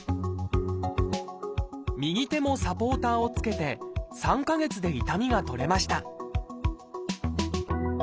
右手もサポーターを着けて３か月で痛みが取れました